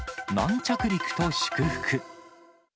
軟着陸と祝福。